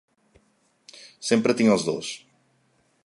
Sempre tinc els dos.